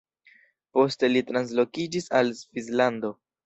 Poste li translokiĝis al Svislando.